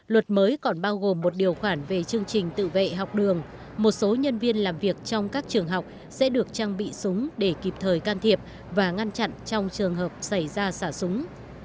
luật mới còn bao gồm một điều khoản về chương trình tự vệ học đường một số nhân viên làm việc trong các trường học sẽ được trang bị súng để kịp thời can thiệp và ngăn chặn trong trường hợp xảy ra xả súng